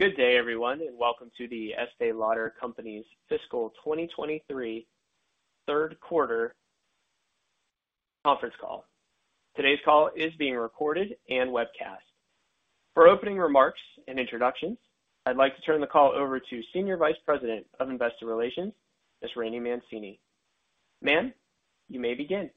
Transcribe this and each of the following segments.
Good day everyone, welcome to the Estée Lauder Companies Fiscal 2023 third quarter conference call. Today's call is being recorded and webcast. For opening remarks and introductions, I'd like to turn the call over to Senior Vice President of Investor Relations, Ms. Rainey Mancini. Ma'am, you may begin.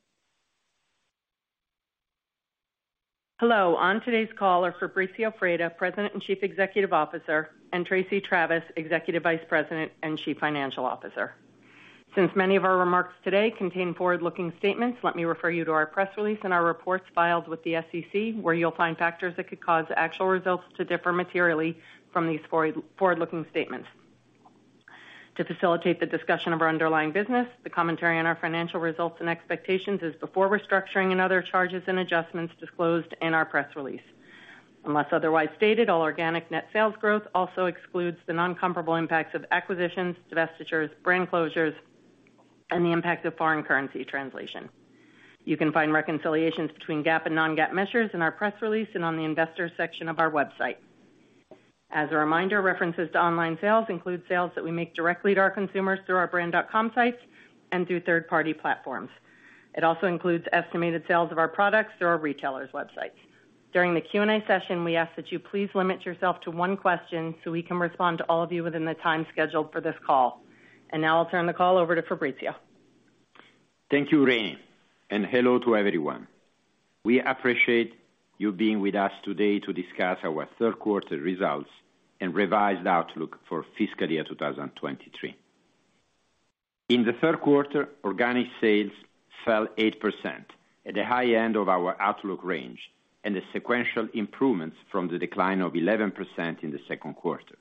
Hello. On today's call are Fabrizio Freda, President and Chief Executive Officer, and Tracey Travis, Executive Vice President and Chief Financial Officer. Since many of our remarks today contain forward-looking statements, let me refer you to our press release and our reports filed with the SEC, where you'll find factors that could cause actual results to differ materially from these forward-looking statements. To facilitate the discussion of our underlying business, the commentary on our financial results and expectations is before restructuring and other charges and adjustments disclosed in our press release. Unless otherwise stated, all organic net sales growth also excludes the non-comparable impacts of acquisitions, divestitures, brand closures, and the impact of foreign currency translation. You can find reconciliations between GAAP and non-GAAP measures in our press release and on the investor section of our website. As a reminder, references to online sales include sales that we make directly to our consumers through our brand dot com sites and through third-party platforms. It also includes estimated sales of our products through our retailers' websites. During the Q&A session, we ask that you please limit yourself to one question, so we can respond to all of you within the time scheduled for this call. Now I'll turn the call over to Fabrizio. Thank you, Rainey, and hello to everyone. We appreciate you being with us today to discuss our third quarter results and revised outlook for fiscal year 2023. In the third quarter, organic sales fell 8% at the high end of our outlook range and the sequential improvements from the decline of 11% in the second quarter.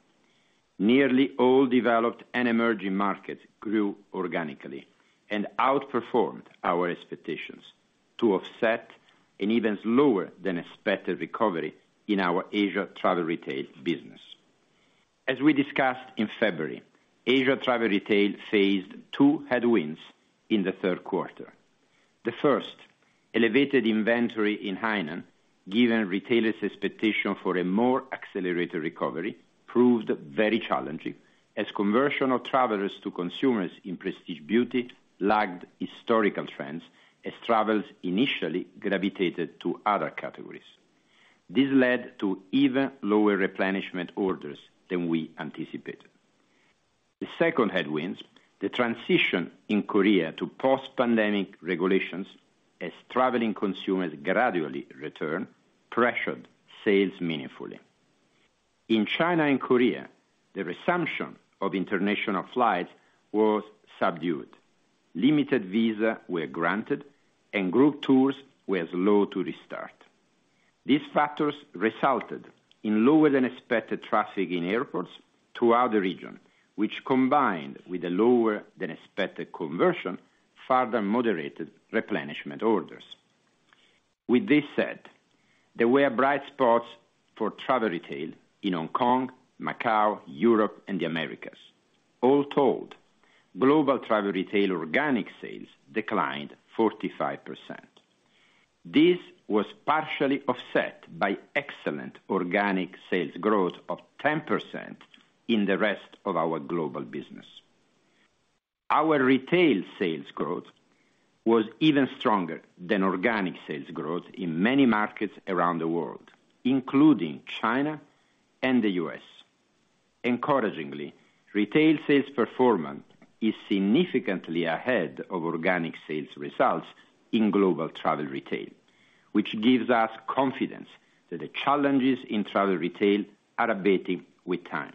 Nearly all developed and emerging markets grew organically and outperformed our expectations to offset an even slower than expected recovery in our Asia travel retail business. As we discussed in February, Asia travel retail faced two headwinds in the third quarter. The first, elevated inventory in Hainan, given retailers' expectation for a more accelerated recovery, proved very challenging as conversion of travelers to consumers in prestige beauty lagged historical trends as travelers initially gravitated to other categories. This led to even lower replenishment orders than we anticipated. The second headwinds, the transition in Korea to post-pandemic regulations as traveling consumers gradually return, pressured sales meaningfully. In China and Korea, the resumption of international flights was subdued. Limited visa were granted, and group tours were slow to restart. These factors resulted in lower than expected traffic in airports throughout the region, which combined with the lower than expected conversion, further moderated replenishment orders. With this said, there were bright spots for travel retail in Hong Kong, Macau, Europe, and the Americas. All told, global travel retail organic sales declined 45%. This was partially offset by excellent organic sales growth of 10% in the rest of our global business. Our retail sales growth was even stronger than organic sales growth in many markets around the world, including China and the U.S. Encouragingly, retail sales performance is significantly ahead of organic sales results in global travel retail, which gives us confidence that the challenges in travel retail are abating with time.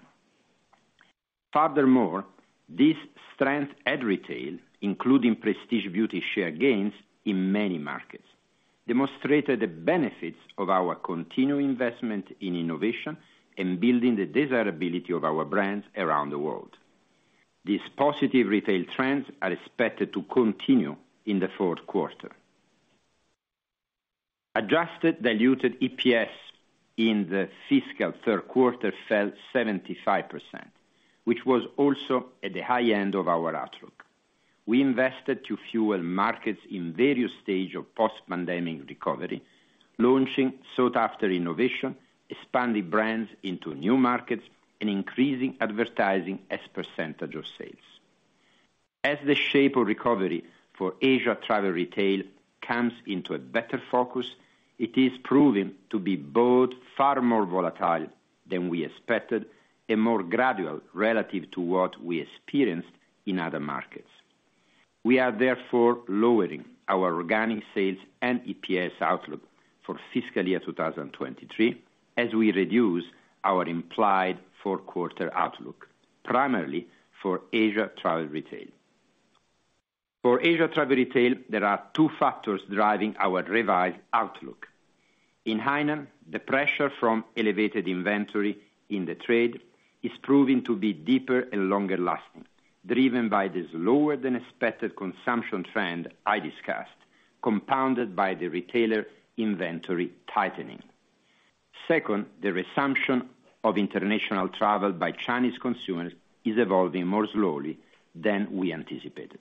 Furthermore, this strength at retail, including prestige beauty share gains in many markets, demonstrated the benefits of our continued investment in innovation and building the desirability of our brands around the world. These positive retail trends are expected to continue in the fourth quarter. Adjusted diluted EPS in the fiscal third quarter fell 75%, which was also at the high end of our outlook. We invested to fuel markets in various stages of post-pandemic recovery, launching sought-after innovation, expanding brands into new markets, and increasing advertising as percentage of sales. As the shape of recovery for Asia travel retail comes into a better focus, it is proving to be both far more volatile than we expected and more gradual relative to what we experienced in other markets. We are therefore lowering our organic sales and EPS outlook for fiscal year 2023, as we reduce our implied fourth quarter outlook, primarily for Asia travel retail. For Asia travel retail, there are two factors driving our revised outlook. In Hainan, the pressure from elevated inventory in the trade is proving to be deeper and longer lasting, driven by this lower than expected consumption trend I discussed, compounded by the retailer inventory tightening. Second, the resumption of international travel by Chinese consumers is evolving more slowly than we anticipated.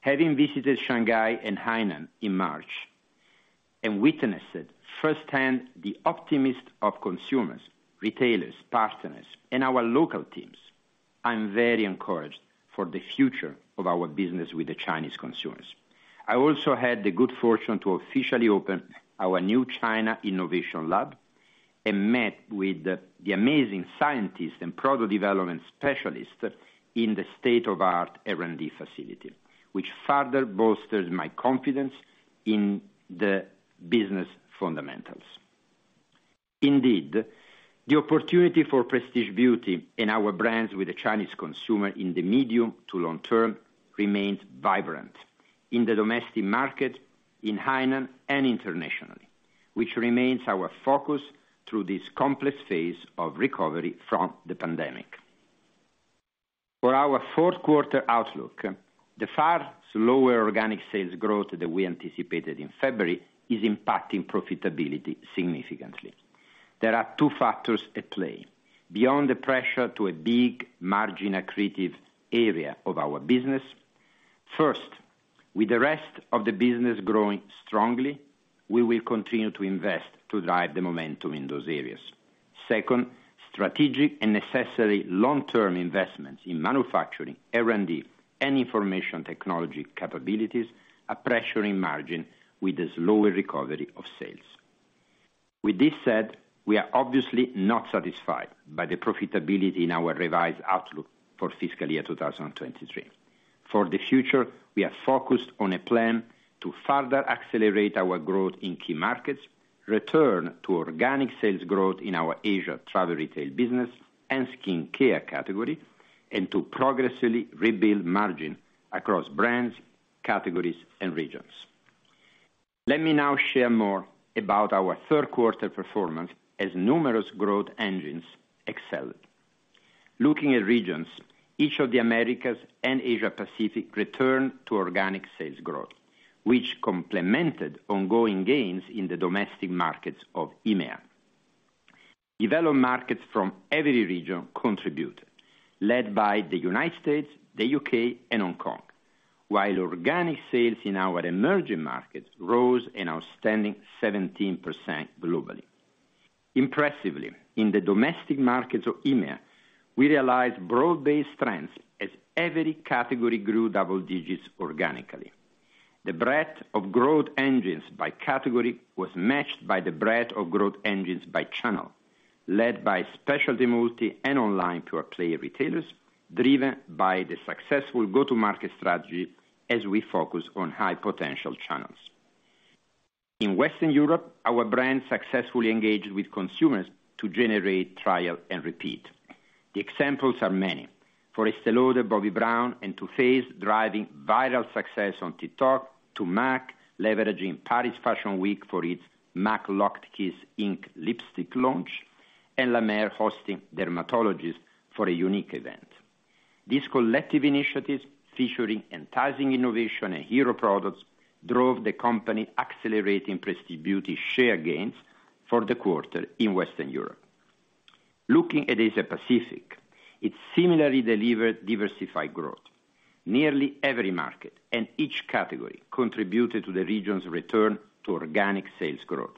Having visited Shanghai and Hainan in March-And witnessed firsthand the optimist of consumers, retailers, partners, and our local teams, I'm very encouraged for the future of our business with the Chinese consumers. I also had the good fortune to officially open our new China innovation lab and met with the amazing scientists and product development specialists in the state-of-the-art R&D facility, which further bolsters my confidence in the business fundamentals. Indeed, the opportunity for prestige beauty in our brands with the Chinese consumer in the medium to long term remains vibrant in the domestic market, in Hainan, and internationally, which remains our focus through this complex phase of recovery from the pandemic. For our fourth quarter outlook, the far slower organic sales growth that we anticipated in February is impacting profitability significantly. There are two factors at play beyond the pressure to a big margin accretive area of our business. First, with the rest of the business growing strongly, we will continue to invest to drive the momentum in those areas. Second, strategic and necessary long-term investments in manufacturing, R&D, and information technology capabilities are pressuring margin with the slower recovery of sales. With this said, we are obviously not satisfied by the profitability in our revised outlook for fiscal year 2023. For the future, we are focused on a plan to further accelerate our growth in key markets, return to organic sales growth in our Asia Travel Retail business and skincare category, and to progressively rebuild margin across brands, categories, and regions. Let me now share more about our third quarter performance as numerous growth engines excelled. Looking at regions, each of the Americas and Asia Pacific returned to organic sales growth, which complemented ongoing gains in the domestic markets of EMEA. Developed markets from every region contributed, led by the U.S., the U.K., and Hong Kong, while organic sales in our emerging markets rose an outstanding 17% globally. Impressively, in the domestic markets of EMEA, we realized broad-based trends as every category grew double digits organically. The breadth of growth engines by category was matched by the breadth of growth engines by channel, led by specialty multi and online pure play retailers, driven by the successful go-to-market strategy as we focus on high potential channels. In Western Europe, our brand successfully engaged with consumers to generate trial and repeat. The examples are many. For Estée Lauder, Bobbi Brown, and Too Faced, driving viral success on TikTok, to M·A·C, leveraging Paris Fashion Week for its M·A·C Locked Kiss Ink lipstick launch, and La Mer hosting dermatologists for a unique event. These collective initiatives featuring enticing innovation and hero products drove the company accelerating prestige beauty share gains for the quarter in Western Europe. Looking at Asia Pacific, it similarly delivered diversified growth. Nearly every market and each category contributed to the region's return to organic sales growth.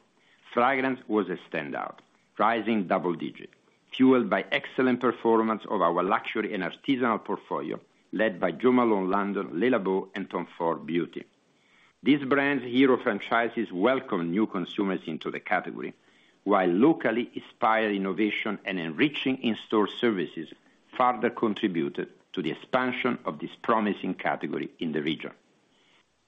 Fragrance was a standout, rising double digit, fueled by excellent performance of our luxury and artisanal portfolio led by Jo Malone London, Le Labo, and Tom Ford Beauty. These brands' hero franchises welcome new consumers into the category, while locally inspired innovation and enriching in-store services further contributed to the expansion of this promising category in the region.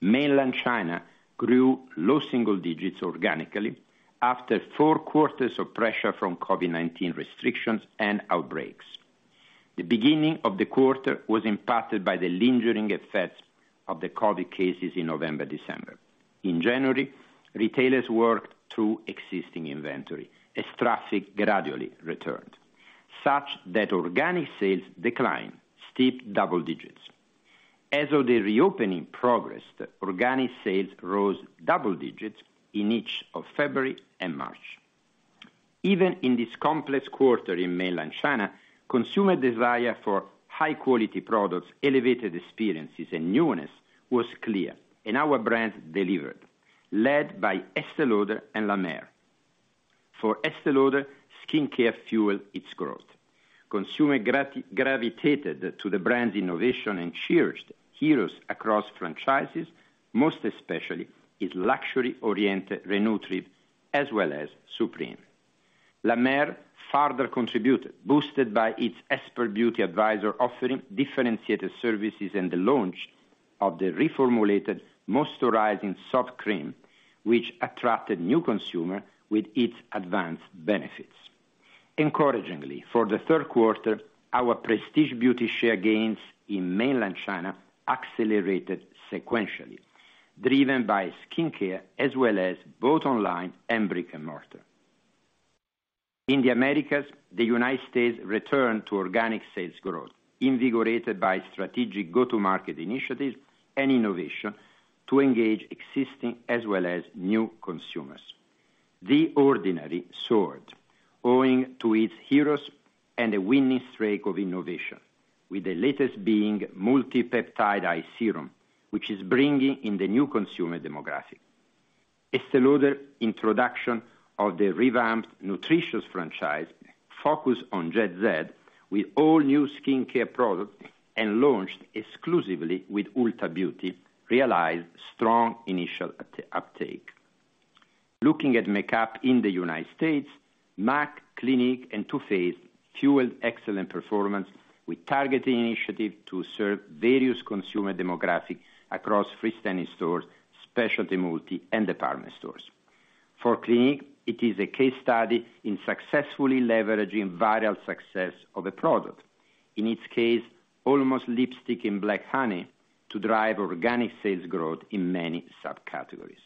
Mainland China grew low single digits organically after four quarters of pressure from COVID-19 restrictions and outbreaks. The beginning of the quarter was impacted by the lingering effects of the COVID cases in November, December. In January, retailers worked through existing inventory as traffic gradually returned, such that organic sales declined steep double digits. As of the reopening progress, organic sales rose double digits in each of February and March. Even in this complex quarter in mainland China, consumer desire for high quality products, elevated experiences, and newness was clear, our brands delivered, led by Estée Lauder and La Mer. For Estée Lauder, skincare fueled its growth. Consumer gravitated to the brand's innovation and cherished heroes across franchises, most especially its luxury-oriented Re-Nutriv, as well as Supreme. La Mer further contributed, boosted by its expert beauty advisor offering differentiated services and the launch of the reformulated The Moisturizing Soft Cream, which attracted new consumer with its advanced benefits. Encouragingly, for the third quarter, our prestige beauty share gains in mainland China accelerated sequentially, driven by skincare as well as both online and brick-and-mortar. In the Americas, the United States returned to organic sales growth, invigorated by strategic go-to-market initiatives and innovation to engage existing as well as new consumers. The Ordinary soared owing to its heroes and a winning streak of innovation, with the latest being Multi-Peptide Eye Serum, which is bringing in the new consumer demographic. Estée Lauder introduction of the revamped Nutritious franchise focused on Gen Z with all new skincare products and launched exclusively with Ulta Beauty realized strong initial at-uptake. Looking at makeup in the United States, M·A·C, Clinique, and Too Faced fueled excellent performance with targeting initiative to serve various consumer demographics across freestanding stores, specialty multi and department stores. For Clinique, it is a case study in successfully leveraging viral success of a product, in its case, Almost Lipstick in Black Honey, to drive organic sales growth in many sub-categories.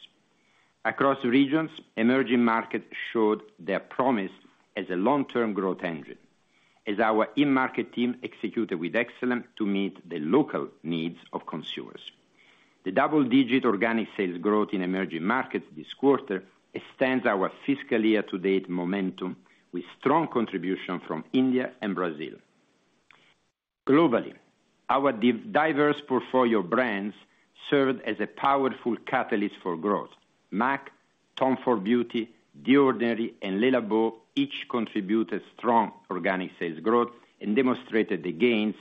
Across regions, emerging markets showed their promise as a long-term growth engine as our in-market team executed with excellence to meet the local needs of consumers. The double-digit organic sales growth in emerging markets this quarter extends our fiscal year-to-date momentum with strong contribution from India and Brazil. Globally, our diverse portfolio brands served as a powerful catalyst for growth. M·A·C, Tom Ford Beauty, The Ordinary, and Le Labo each contributed strong organic sales growth and demonstrated the gains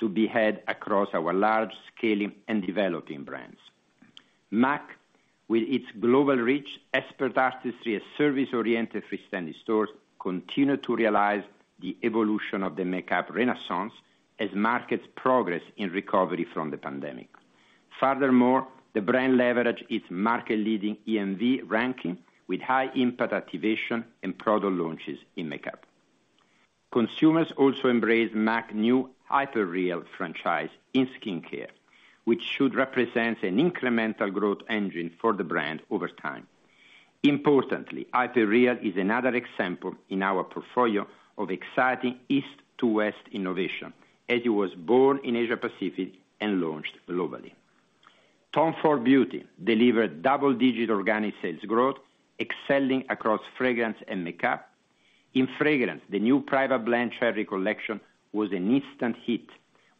to be had across our large scaling and developing brands. M·A·C, with its global reach, expert artistry, and service-oriented freestanding stores, continue to realize the evolution of the makeup renaissance as markets progress in recovery from the pandemic. The brand leverage its market leading EMV ranking with high impact activation and product launches in makeup. Consumers also embrace M·A·C new Hyper Real franchise in skincare, which should represent an incremental growth engine for the brand over time. Hyper Real is another example in our portfolio of exciting East to West innovation, as it was born in Asia Pacific and launched globally. Tom Ford Beauty delivered double-digit organic sales growth, excelling across fragrance and makeup. In fragrance, the new Private Blend Cherries Collection was an instant hit,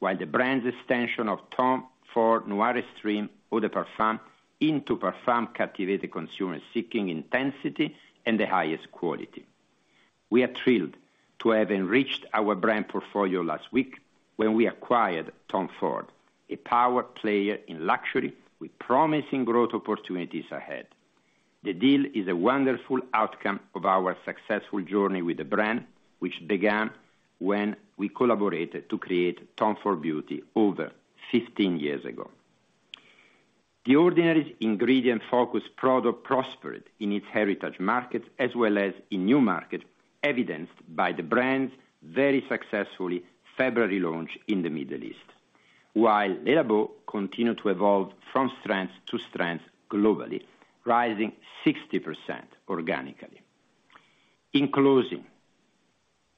while the brand's extension of Tom Ford Noir Extreme eau de parfum into parfum captivated consumers seeking intensity and the highest quality. We are thrilled to have enriched our brand portfolio last week when we acquired Tom Ford, a power player in luxury with promising growth opportunities ahead. The deal is a wonderful outcome of our successful journey with the brand, which began when we collaborated to create Tom Ford Beauty over 15 years ago. The Ordinary ingredient focus product prospered in its heritage markets as well as in new markets, evidenced by the brand's very successfully February launch in the Middle East. Le Labo continued to evolve from strength to strength globally, rising 60% organically. In closing,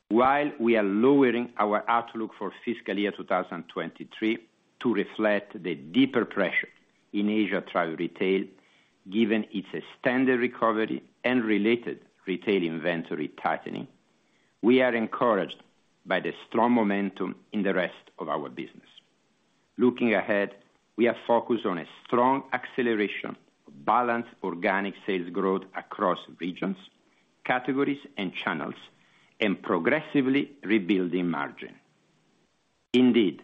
while we are lowering our outlook for fiscal year 2023 to reflect the deeper pressure in Asia travel retail, given its extended recovery and related retail inventory tightening, we are encouraged by the strong momentum in the rest of our business. Looking ahead, we are focused on a strong acceleration of balanced organic sales growth across regions, categories and channels, and progressively rebuilding margin. Indeed,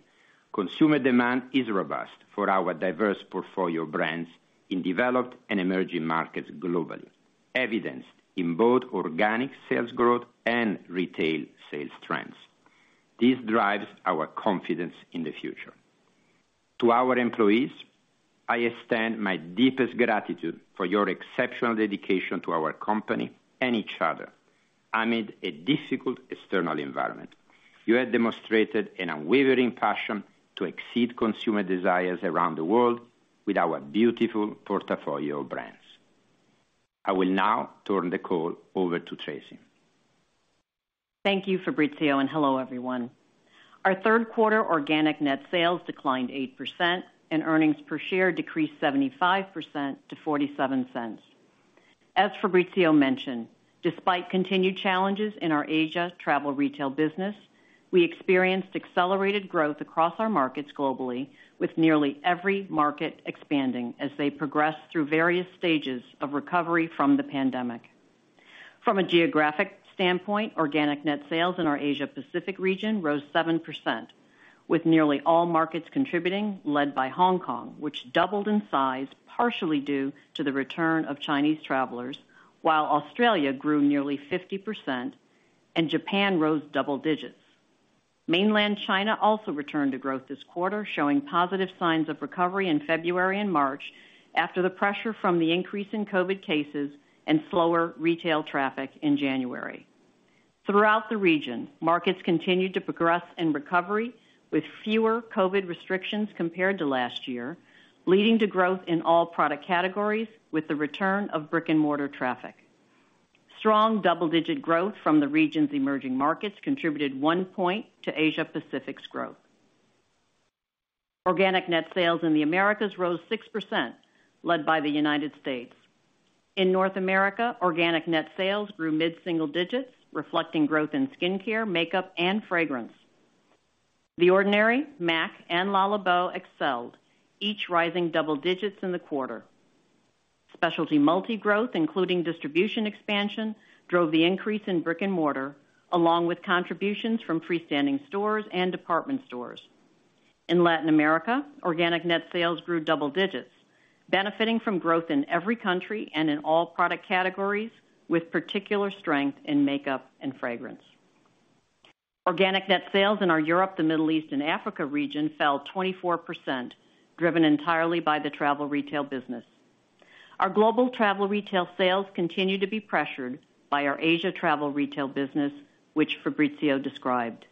consumer demand is robust for our diverse portfolio brands in developed and emerging markets globally, evidenced in both organic sales growth and retail sales trends. This drives our confidence in the future. To our employees, I extend my deepest gratitude for your exceptional dedication to our company and each other amid a difficult external environment. You have demonstrated an unwavering passion to exceed consumer desires around the world with our beautiful portfolio of brands. I will now turn the call over to Tracey. Thank you, Fabrizio. Hello, everyone. Our third quarter organic net sales declined 8% and earnings per share decreased 75% to $0.47. As Fabrizio mentioned, despite continued challenges in our Asia travel retail business, we experienced accelerated growth across our markets globally with nearly every market expanding as they progress through various stages of recovery from the pandemic. From a geographic standpoint, organic net sales in our Asia Pacific region rose 7%, with nearly all markets contributing, led by Hong Kong, which doubled in size partially due to the return of Chinese travelers, while Australia grew nearly 50% and Japan rose double digits. Mainland China also returned to growth this quarter, showing positive signs of recovery in February and March after the pressure from the increase in COVID cases and slower retail traffic in January. Throughout the region, markets continued to progress in recovery with fewer COVID restrictions compared to last year, leading to growth in all product categories with the return of brick-and-mortar traffic. Strong double-digit growth from the region's emerging markets contributed one point to Asia Pacific's growth. Organic net sales in the Americas rose 6% led by the United States. In North America, organic net sales grew mid-single digits, reflecting growth in skincare, makeup, and fragrance. The Ordinary, M·A·C, and Le Labo excelled, each rising double digits in the quarter. Specialty multi-growth, including distribution expansion, drove the increase in brick-and-mortar, along with contributions from freestanding stores and department stores. In Latin America, organic net sales grew double digits, benefiting from growth in every country and in all product categories, with particular strength in makeup and fragrance. Organic net sales in our Europe, the Middle East, and Africa region fell 24%, driven entirely by the travel retail business. Our global travel retail sales continue to be pressured by our Asia travel retail business, which Fabrizio described.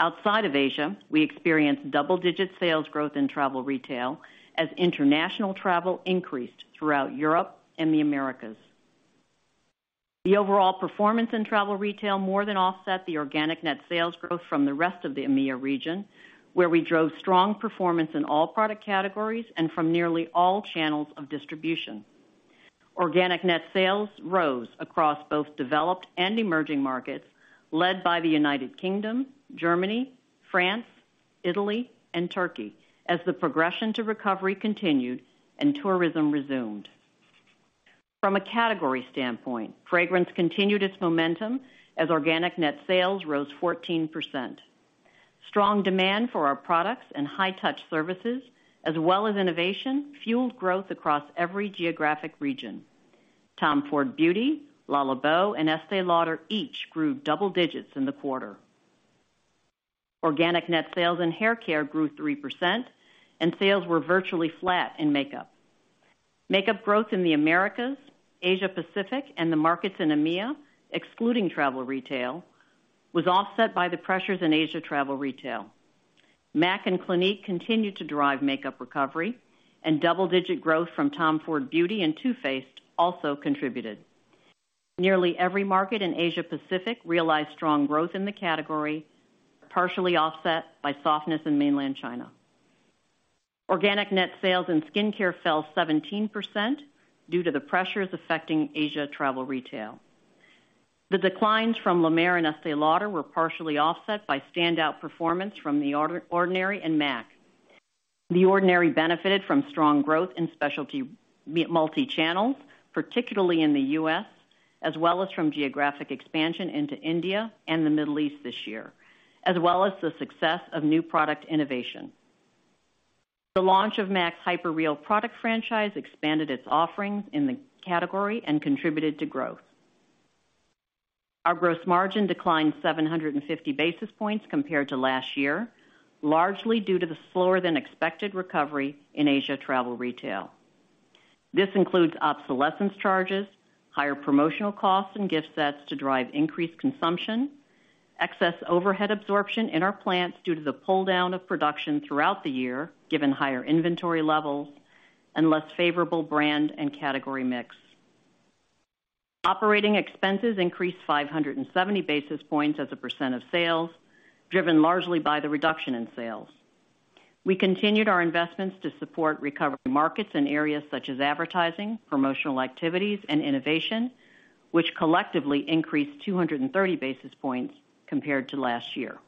Outside of Asia, we experienced double-digit sales growth in travel retail as international travel increased throughout Europe and the Americas. The overall performance in travel retail more than offset the organic net sales growth from the rest of the EMEIA region, where we drove strong performance in all product categories and from nearly all channels of distribution. Organic net sales rose across both developed and emerging markets led by the United Kingdom, Germany, France, Italy, and Turkey as the progression to recovery continued and tourism resumed. From a category standpoint, fragrance continued its momentum as organic net sales rose 14%. Strong demand for our products and high-touch services, as well as innovation, fueled growth across every geographic region. Tom Ford Beauty, Le Labo, and Estée Lauder each grew double digits in the quarter. Organic net sales in haircare grew 3%, and sales were virtually flat in makeup. Makeup growth in the Americas, Asia Pacific, and the markets in EMEIA, excluding travel retail, was offset by the pressures in Asia travel retail. M·A·C and Clinique continued to drive makeup recovery, and double-digit growth from Tom Ford Beauty and Too Faced also contributed. Nearly every market in Asia Pacific realized strong growth in the category, partially offset by softness in Mainland China. Organic net sales in skincare fell 17% due to the pressures affecting Asia travel retail. The declines from La Mer and Estée Lauder were partially offset by standout performance from The Ordinary and M·A·C. The Ordinary benefited from strong growth in specialty multichannels, particularly in the U.S., as well as from geographic expansion into India and the Middle East this year, as well as the success of new product innovation. The launch of M·A·C's Hyper Real product franchise expanded its offerings in the category and contributed to growth. Our gross margin declined 750 basis points compared to last year, largely due to the slower than expected recovery in Asia travel retail. This includes obsolescence charges, higher promotional costs and gift sets to drive increased consumption, excess overhead absorption in our plants due to the pull-down of production throughout the year, given higher inventory levels, and less favorable brand and category mix. Operating expenses increased 570 basis points as a % of sales, driven largely by the reduction in sales. We continued our investments to support recovery markets in areas such as advertising, promotional activities, and innovation, which collectively increased 230 basis points compared to last year.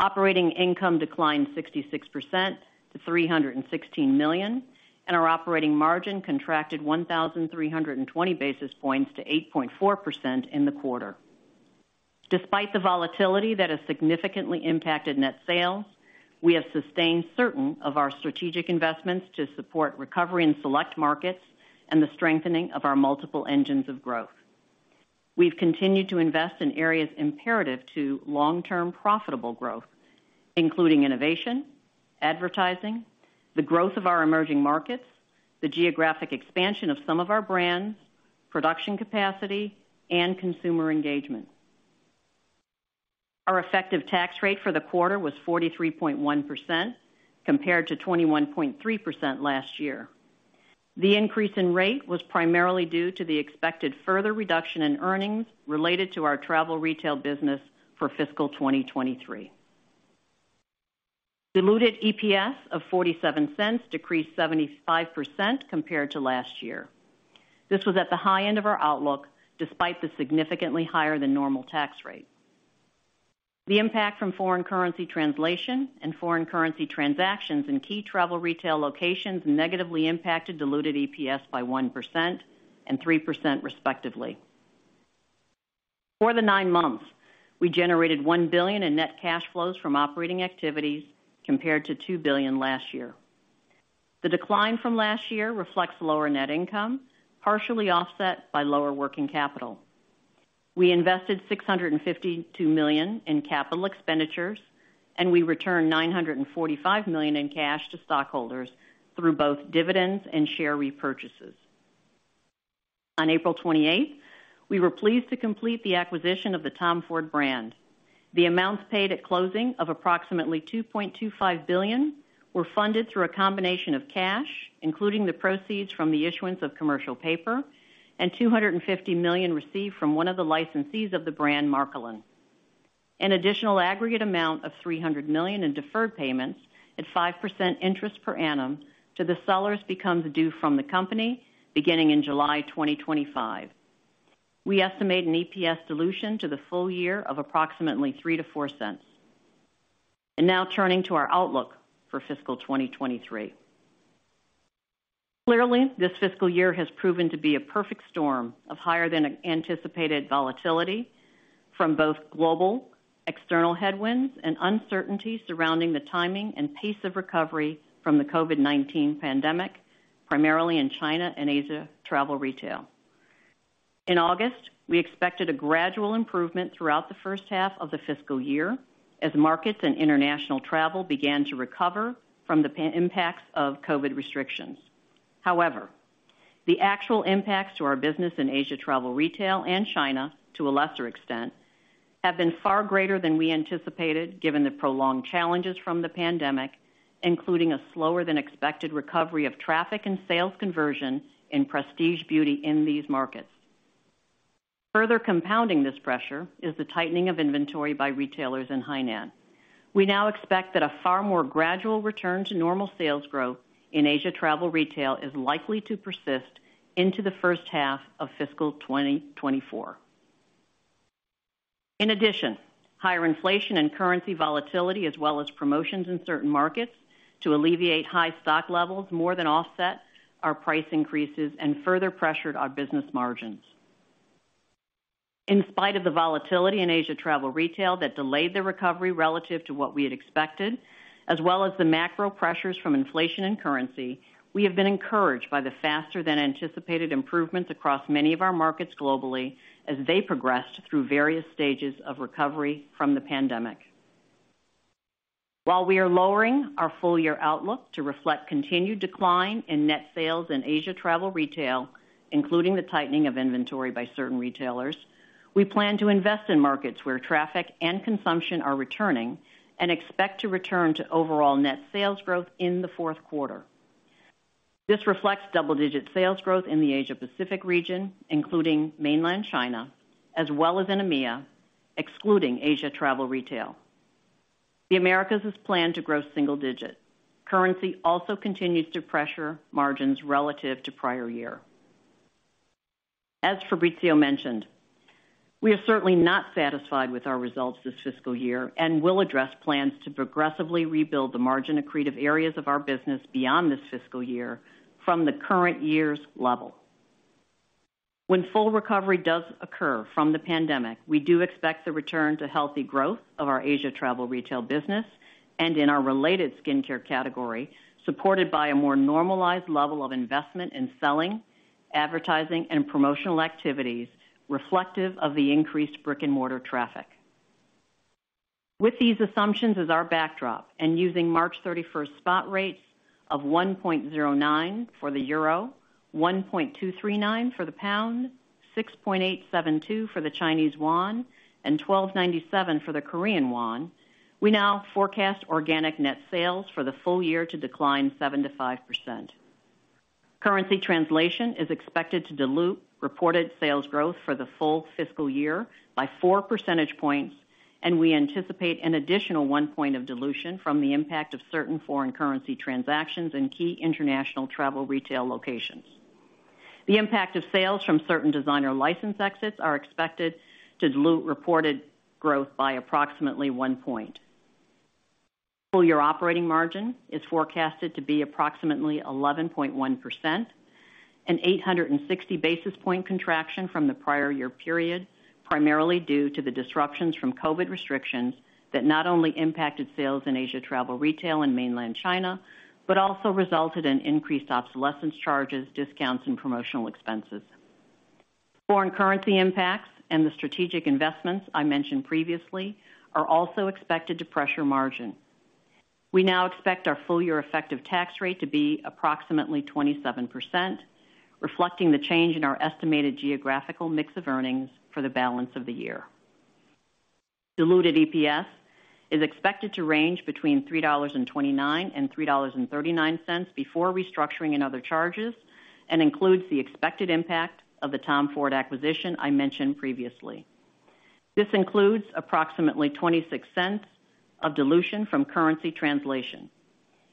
Operating income declined 66% to $316 million, and our operating margin contracted 1,320 basis points to 8.4% in the quarter. Despite the volatility that has significantly impacted net sales, we have sustained certain of our strategic investments to support recovery in select markets and the strengthening of our multiple engines of growth. We've continued to invest in areas imperative to long-term profitable growth, including innovation, advertising, the growth of our emerging markets, the geographic expansion of some of our brands, production capacity, and consumer engagement. Our effective tax rate for the quarter was 43.1% compared to 21.3% last year. The increase in rate was primarily due to the expected further reduction in earnings related to our travel retail business for fiscal 2023. Diluted EPS of $0.47 decreased 75% compared to last year. This was at the high end of our outlook, despite the significantly higher than normal tax rate. The impact from foreign currency translation and foreign currency transactions in key travel retail locations negatively impacted diluted EPS by 1% and 3% respectively. For the nine months, we generated $1 billion in net cash flows from operating activities compared to $2 billion last year. The decline from last year reflects lower net income, partially offset by lower working capital. We invested $652 million in capital expenditures, and we returned $945 million in cash to stockholders through both dividends and share repurchases. On April 28, we were pleased to complete the acquisition of the Tom Ford brand. The amounts paid at closing of approximately $2.25 billion were funded through a combination of cash, including the proceeds from the issuance of commercial paper and $250 million received from one of the licensees of the brand, Marc O'Polo. An additional aggregate amount of $300 million in deferred payments at 5% interest per annum to the sellers becomes due from the company beginning in July 2025. We estimate an EPS dilution to the full year of approximately $0.03-$0.04. Now turning to our outlook for fiscal 2023. Clearly, this fiscal year has proven to be a perfect storm of higher than anticipated volatility from both global external headwinds and uncertainty surrounding the timing and pace of recovery from the COVID-19 pandemic, primarily in China and Asia travel retail. In August, we expected a gradual improvement throughout the first half of the fiscal year as markets and international travel began to recover from the impacts of COVID restrictions. However, the actual impacts to our business in Asia travel retail and China, to a lesser extent, have been far greater than we anticipated given the prolonged challenges from the pandemic, including a slower than expected recovery of traffic and sales conversion in prestige beauty in these markets. Further compounding this pressure is the tightening of inventory by retailers in Hainan. We now expect that a far more gradual return to normal sales growth in Asia travel retail is likely to persist into the first half of fiscal 2024. In addition, higher inflation and currency volatility as well as promotions in certain markets to alleviate high stock levels more than offset our price increases and further pressured our business margins. In spite of the volatility in Asia travel retail that delayed the recovery relative to what we had expected, as well as the macro pressures from inflation and currency, we have been encouraged by the faster than anticipated improvements across many of our markets globally as they progressed through various stages of recovery from the pandemic. While we are lowering our full-year outlook to reflect continued decline in net sales in Asia travel retail, including the tightening of inventory by certain retailers, we plan to invest in markets where traffic and consumption are returning and expect to return to overall net sales growth in the fourth quarter. This reflects double-digit sales growth in the Asia Pacific region, including Mainland China, as well as in EMEA, excluding Asia travel retail. The Americas is planned to grow single digit. Currency also continues to pressure margins relative to prior year. As Fabrizio mentioned, we are certainly not satisfied with our results this fiscal year and will address plans to progressively rebuild the margin-accretive areas of our business beyond this fiscal year from the current year's level. When full recovery does occur from the pandemic, we do expect the return to healthy growth of our Asia travel retail business and in our related skincare category, supported by a more normalized level of investment in selling, advertising, and promotional activities reflective of the increased brick-and-mortar traffic. With these assumptions as our backdrop and using March 31st spot rates of 1.09 for the Euro, 1.239 for the Pound, 6.872 for the Chinese Yuan, and 1,297 for the Korean Won, we now forecast organic net sales for the full year to decline 7%-5%. Currency translation is expected to dilute reported sales growth for the full fiscal year by 4 percentage points, and we anticipate an additional one point of dilution from the impact of certain foreign currency transactions in key international travel retail locations. The impact of sales from certain designer license exits are expected to dilute reported growth by approximately one point. Full year operating margin is forecasted to be approximately 11.1%, an 860 basis point contraction from the prior year period, primarily due to the disruptions from COVID restrictions that not only impacted sales in Asia travel retail and Mainland China, but also resulted in increased obsolescence charges, discounts, and promotional expenses. Foreign currency impacts and the strategic investments I mentioned previously are also expected to pressure margin. We now expect our full year effective tax rate to be approximately 27%, reflecting the change in our estimated geographical mix of earnings for the balance of the year. Diluted EPS is expected to range between $3.29 and $3.39 before restructuring and other charges, and includes the expected impact of the Tom Ford acquisition I mentioned previously. This includes approximately $0.26 of dilution from currency translation.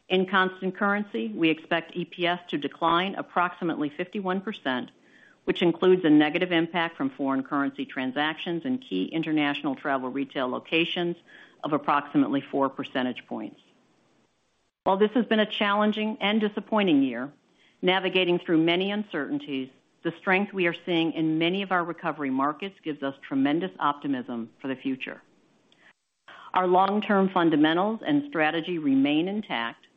In constant currency, we expect EPS to decline approximately 51%, which includes a negative impact from foreign currency transactions in key international travel retail locations of approximately 4 percentage points. While this has been a challenging and disappointing year, navigating through many uncertainties, the strength we are seeing in many of our recovery markets gives us tremendous optimism for the future. Our long-term fundamentals and strategy remain intact,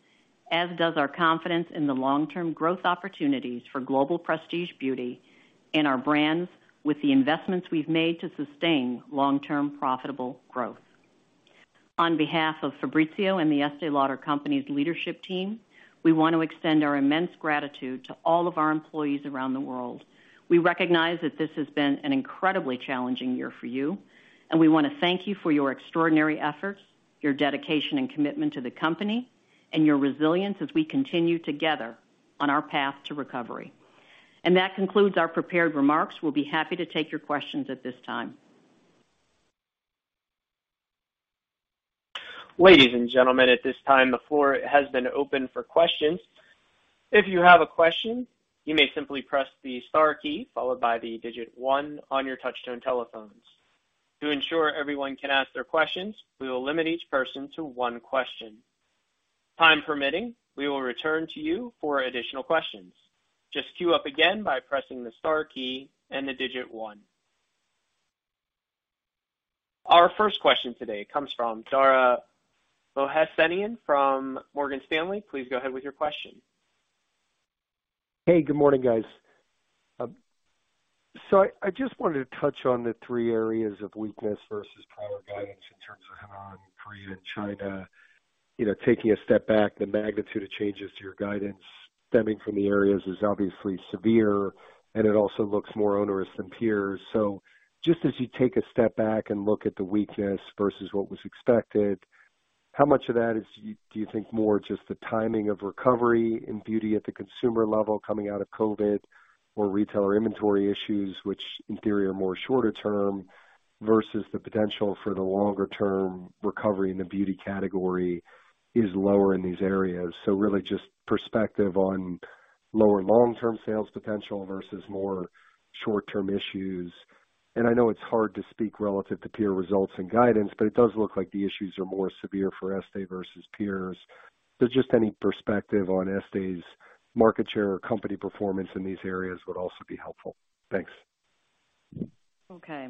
as does our confidence in the long-term growth opportunities for global prestige beauty and our brands with the investments we've made to sustain long-term profitable growth. On behalf of Fabrizio and the Estée Lauder Company's leadership team. We want to extend our immense gratitude to all of our employees around the world. We recognize that this has been an incredibly challenging year for you, and we want to thank you for your extraordinary efforts, your dedication and commitment to the company, and your resilience as we continue together on our path to recovery. That concludes our prepared remarks. We'll be happy to take your questions at this time. Ladies and gentlemen, at this time, the floor has been opened for questions. If you have a question, you may simply press the star key followed by the digit one on your touch-tone telephones. To ensure everyone can ask their questions, we will limit each person to one question. Time permitting, we will return to you for additional questions. Just queue up again by pressing the star key and the digit one. Our first question today comes from Dara Mohsenian from Morgan Stanley. Please go ahead with your question. Hey, good morning, guys. I just wanted to touch on the three areas of weakness versus prior guidance in terms of Hainan, Korea, and China. Taking a step back, the magnitude of changes to your guidance stemming from the areas is obviously severe, and it also looks more onerous than peers. Just as you take a step back and look at the weakness versus what was expected, how much of that is, do you think more just the timing of recovery in beauty at the consumer level coming out of COVID-19 or retailer inventory issues, which in theory are more shorter term versus the potential for the longer-term recovery in the beauty category is lower in these areas? Really just perspective on lower long-term sales potential versus more short-term issues. I know it's hard to speak relative to peer results and guidance, but it does look like the issues are more severe for Estée versus peers. Just any perspective on Estée's market share or company performance in these areas would also be helpful. Thanks. Okay,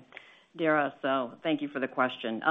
Dara. Thank you for the question.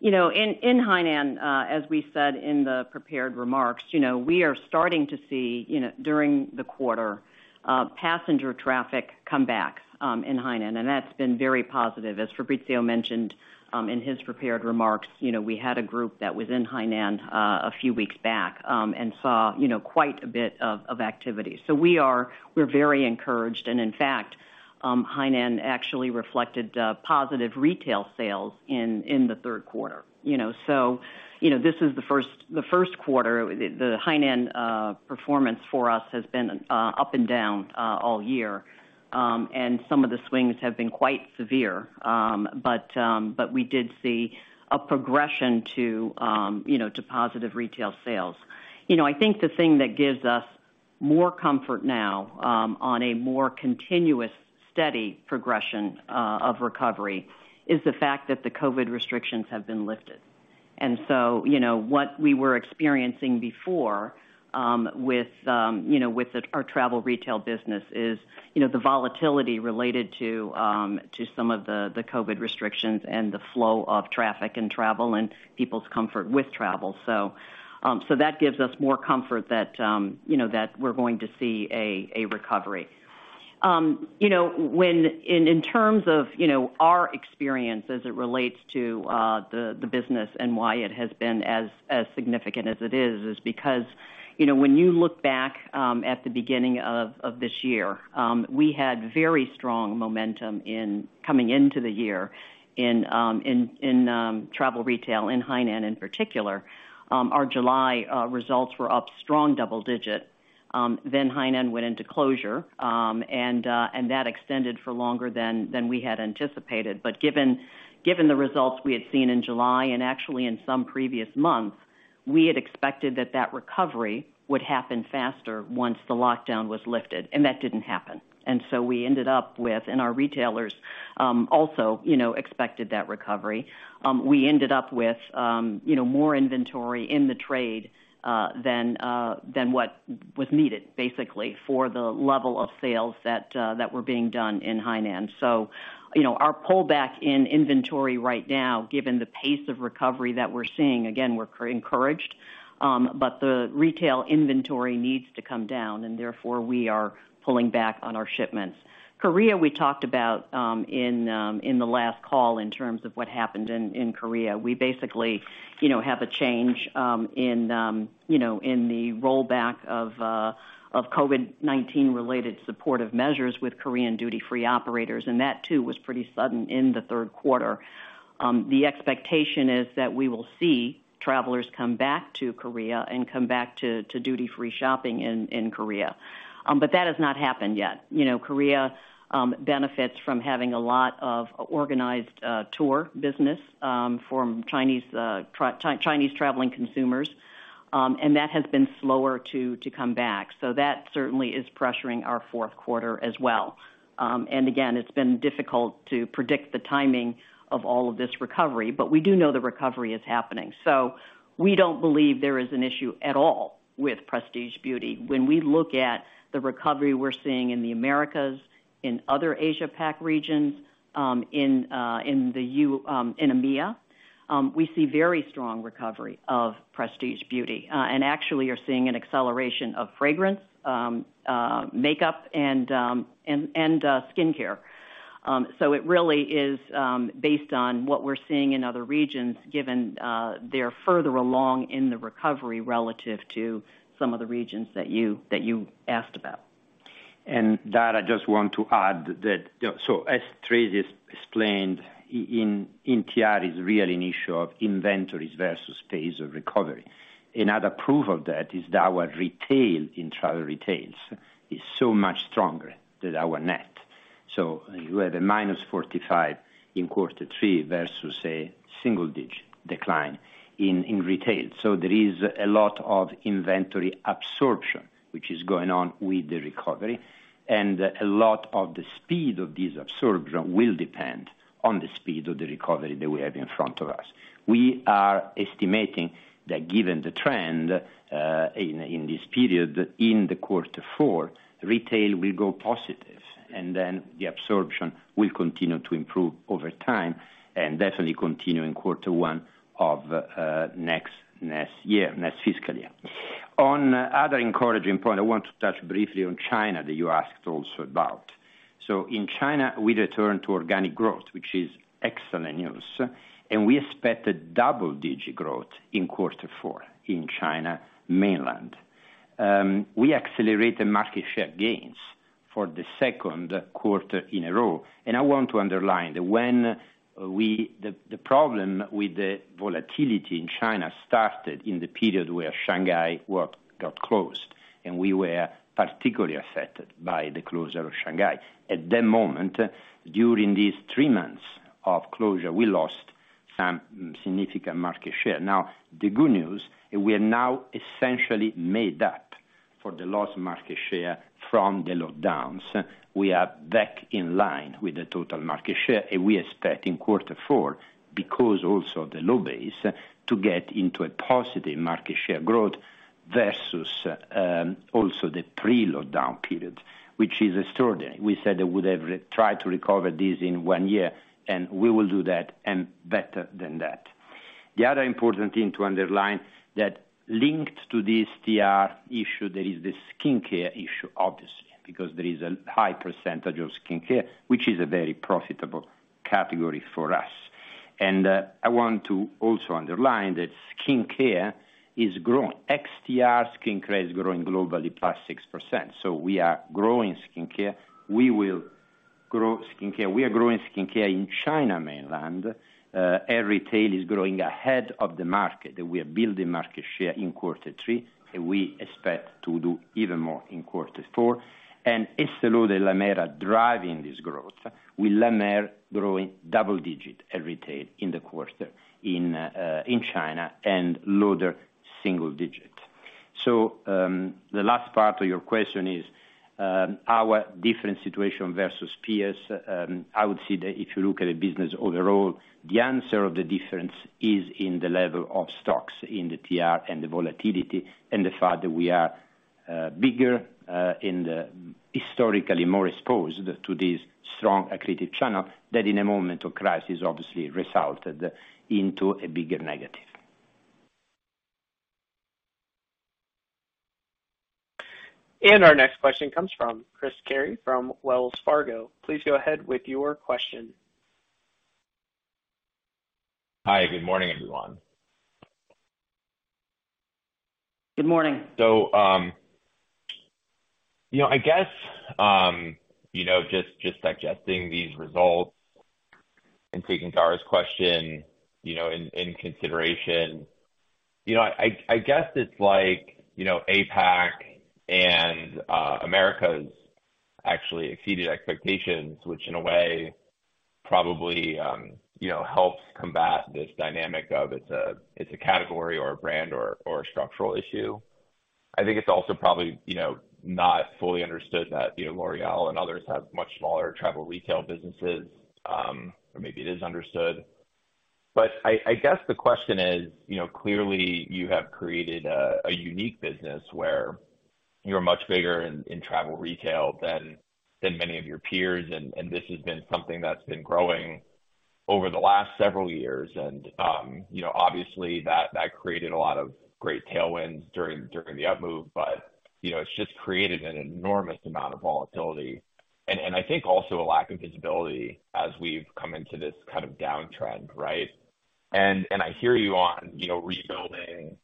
You know, in Hainan, as we said in the prepared remarks, you know, we are starting to see, you know, during the quarter, passenger traffic come back in Hainan, and that's been very positive. As Fabrizio mentioned, in his prepared remarks, you know, we had a group that was in Hainan a few weeks back, and saw, you know, quite a bit of activity. We're very encouraged. In fact, Hainan actually reflected positive retail sales in the third quarter. You know, this is the first quarter, the Hainan performance for us has been up and down all year. Some of the swings have been quite severe, but we did see a progression to, you know, to positive retail sales. You know, I think the thing that gives us more comfort now, on a more continuous, steady progression of recovery is the fact that the COVID restrictions have been lifted. You know, what we were experiencing before, with, you know, with our travel retail business is, you know, the volatility related to some of the COVID restrictions and the flow of traffic and travel and people's comfort with travel. That gives us more comfort that, you know, that we're going to see a recovery. You know, in terms of, you know, our experience as it relates to the business and why it has been as significant as it is because, you know, when you look back, at the beginning of this year, we had very strong momentum in coming into the year in travel retail in Hainan, in particular. Our July results were up strong double digit. Then Hainan went into closure, and that extended for longer than we had anticipated. But given the results we had seen in July and actually in some previous months, we had expected that recovery would happen faster once the lockdown was lifted, and that didn't happen. We ended up with, and our retailers, also, you know, expected that recovery. We ended up with, you know, more inventory in the trade than what was needed, basically, for the level of sales that were being done in Hainan. You know, our pullback in inventory right now, given the pace of recovery that we're seeing, again, we're encouraged, but the retail inventory needs to come down, and therefore, we are pulling back on our shipments. Korea, we talked about in the last call in terms of what happened in Korea. We basically, you know, have a change in, you know, in the rollback of COVID-19 related supportive measures with Korean duty-free operators, and that too was pretty sudden in the third quarter. The expectation is that we will see travelers come back to Korea and come back to duty-free shopping in Korea. That has not happened yet. You know, Korea benefits from having a lot of organized tour business from Chinese Chinese traveling consumers, and that has been slower to come back. That certainly is pressuring our fourth quarter as well. Again, it's been difficult to predict the timing of all of this recovery, but we do know the recovery is happening. We don't believe there is an issue at all with prestige beauty. When we look at the recovery we're seeing in the Americas, in other Asia PAC regions, in EMEA, we see very strong recovery of prestige beauty, and actually are seeing an acceleration of fragrance, makeup and skincare. It really is based on what we're seeing in other regions, given they're further along in the recovery relative to some of the regions that you asked about. I just want to add that as Tracey explained, in TR is really an issue of inventories versus phase of recovery. Another proof of that is that our retail in travel retails is so much stronger than our net. You have a -45% in Q3 versus a single-digit decline in retail. There is a lot of inventory absorption which is going on with the recovery, and a lot of the speed of this absorption will depend on the speed of the recovery that we have in front of us. We are estimating that given the trend in this period, in the Q4, retail will go positive, the absorption will continue to improve over time and definitely continue in Q1 of next year, next fiscal year. On other encouraging point, I want to touch briefly on China that you asked also about. In China, we return to organic growth, which is excellent news, and we expect a double-digit growth in quarter four in China mainland. We accelerated market share gains for the second quarter in a row. I want to underline that The problem with the volatility in China started in the period where Shanghai work got closed, and we were particularly affected by the closure of Shanghai. At that moment, during these three months of closure, we lost some significant market share. The good news, we are now essentially made up for the lost market share from the lockdowns. We are back in line with the total market share. We expect in Q4, because also the low base, to get into a positive market share growth versus also the pre-lockdown period, which is extraordinary. We said that we'd have re-tried to recover this in one year. We will do that and better than that. The other important thing to underline that linked to this TR issue, there is the skincare issue, obviously, because there is a high percentage of skincare, which is a very profitable category for us. I want to also underline that skincare is growing. Ex TR skincare is growing globally +6%. We are growing skincare. We will grow skincare. We are growing skincare in China mainland. Our retail is growing ahead of the market. We are building market share in quarter three, and we expect to do even more in quarter four. Estée Lauder and La Mer are driving this growth, with La Mer growing double digit at retail in the quarter in China and Lauder single digit. The last part of your question is our different situation versus peers. I would say that if you look at the business overall, the answer of the difference is in the level of stocks in the TR and the volatility and the fact that we are bigger and historically more exposed to this strong accretive channel that in a moment of crisis obviously resulted into a bigger negative. Our next question comes from Chris Carey from Wells Fargo. Please go ahead with your question. Hi, good morning, everyone. Good morning. You know, I guess, you know, just digesting these results and taking Dara's question, you know, in consideration. You know, I guess it's like, you know, APAC and Americas actually exceeded expectations, which in a way probably, you know, helps combat this dynamic of it's a category or a brand or a structural issue. I think it's also probably, you know, not fully understood that, you know, L'Oréal and others have much smaller travel retail businesses, or maybe it is understood. I guess the question is, you know, clearly you have created a unique business where you're much bigger in travel retail than many of your peers, and this has been something that's been growing over the last several years. You know, obviously that created a lot of great tailwinds during the up move. You know, it's just created an enormous amount of volatility and I think also a lack of visibility as we've come into this kind of downtrend, right? I hear you on, you know, rebuilding,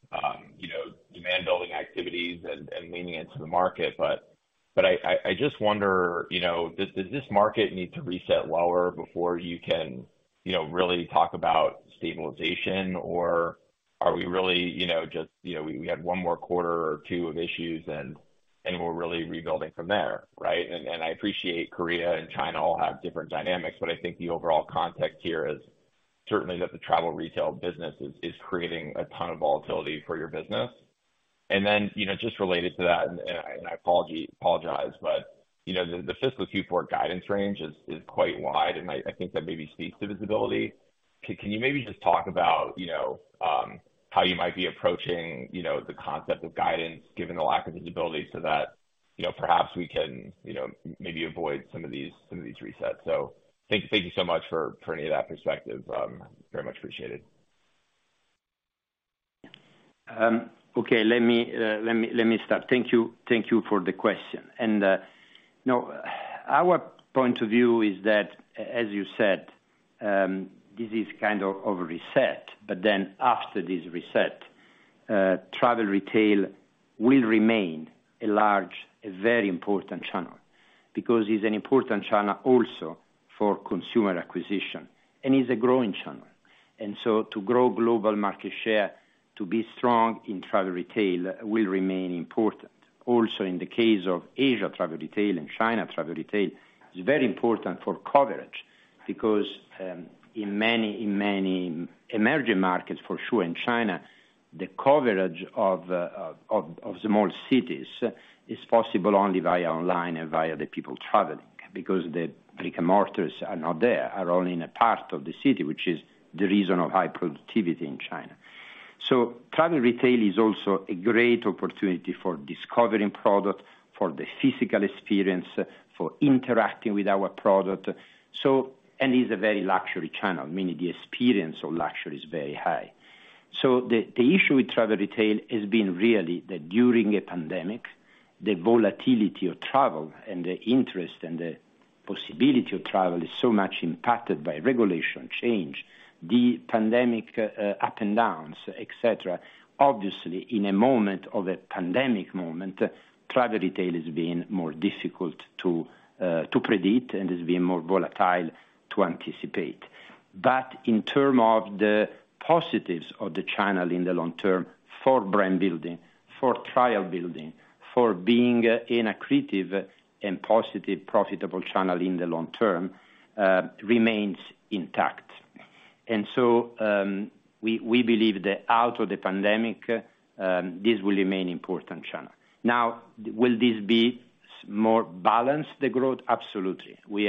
you know, demand building activities and leaning into the market. I just wonder, you know, does this market need to reset lower before you can, you know, really talk about stabilization? Are we really, you know, just, you know, we had one more quarter or two of issues and we're really rebuilding from there, right? I appreciate Korea and China all have different dynamics, but I think the overall context here is certainly that the travel retail business is creating a ton of volatility for your business. Then, you know, just related to that, I apologize, but, you know, the fiscal two forward guidance range is quite wide, and I think that maybe speaks to visibility. Can you maybe just talk about, you know, how you might be approaching, you know, the concept of guidance given the lack of visibility so that, you know, perhaps we can, you know, maybe avoid some of these resets? Thank you so much for any of that perspective. Very much appreciated. Okay, let me, let me start. Thank you for the question. You know, our point of view is that, as you said, this is kind of over reset, but then after this reset, travel retail will remain a large, a very important channel. Because it's an important channel also for consumer acquisition, and is a growing channel. To grow global market share, to be strong in travel retail will remain important. Also, in the case of Asia travel retail and China travel retail, it's very important for coverage because, in many emerging markets, for sure in China, the coverage of small cities is possible only via online and via the people traveling. Because the brick and mortars are not there, are only in a part of the city, which is the reason of high productivity in China. Travel retail is also a great opportunity for discovering product, for the physical experience, for interacting with our product. Is a very luxury channel, meaning the experience of luxury is very high. The issue with travel retail has been really that during a pandemic, the volatility of travel and the interest and the possibility of travel is so much impacted by regulation change, the pandemic, up and downs, et cetera. In a moment of a pandemic moment, travel retail is being more difficult to predict and is being more volatile to anticipate. In terms of the positives of the channel in the long term for brand building, for trial building, for being an accretive and positive, profitable channel in the long term, remains intact. We believe that out of the pandemic, this will remain important channel. Will this be more balanced, the growth? Absolutely. We